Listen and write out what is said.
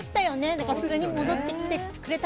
だから普通に戻ってきて、すごい